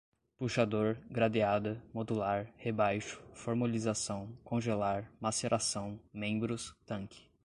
puxador, gradeada, modular, rebaixo, formolização, congelar, maceração, membros, tanque